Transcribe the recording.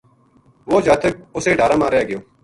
وہ جاتک اُسے ڈھارا ما رہ گیو